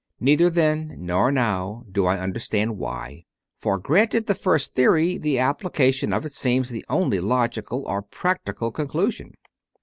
Neither then nor now do I understand why; for, granted the first theory, the application of it seems the only logical or practical conclusion.